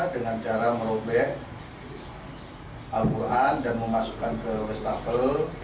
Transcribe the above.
dengan cara merobek al quran dan memasukkan ke wastafel